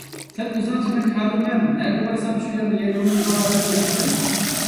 سەن ئۆزۈڭچە مەن كادىرمەن، نەگە بارسام شۇ يەردە يەيدىغىنىم بار دەپ ئويلامسەن؟!